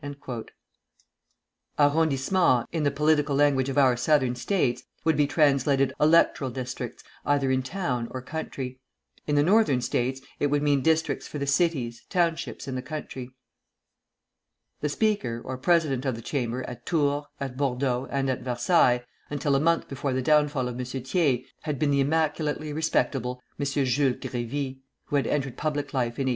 "Arrondissement," in the political language of our Southern States, would be translated electoral districts either in town or country. In the Northern States it would mean districts for the cities, townships in the country. The Speaker, or President of the Chamber, at Tours, at Bordeaux, and at Versailles, until a month before the downfall of M. Thiers, had been the immaculately respectable M. Jules Grévy, who had entered public life in 1848.